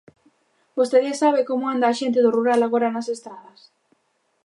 ¿Vostede sabe como anda a xente do rural agora nas estradas?